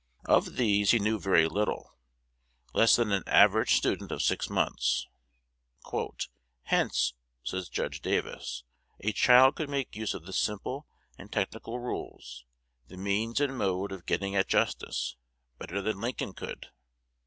Of these he knew very little, less than an average student of six months: "Hence," says Judge Davis, "a child could make use of the simple and technical rules, the means and mode of getting at justice, better than Lincoln could."